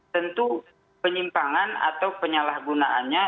tentu penyimpangan atau penyalahgunaannya